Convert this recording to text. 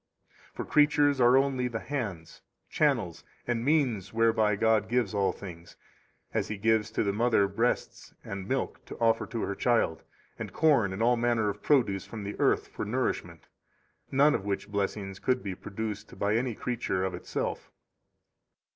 For creatures are only the hands, channels, and means whereby God gives all things, as He gives to the mother breasts and milk to offer to her child, and corn and all manner of produce from the earth for nourishment, none of which blessings could be produced by any creature of itself.